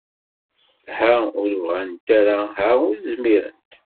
Ha ur bɣant ara, ha ur zmirent.